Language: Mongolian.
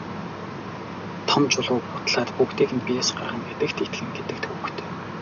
Том чулууг бутлаад бүгдийг нь биеэс гаргана гэдэгт итгэнэ гэдэг төвөгтэй.